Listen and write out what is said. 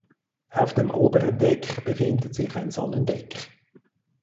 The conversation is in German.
Auf dem oberen Deck befindet sich ein Sonnendeck.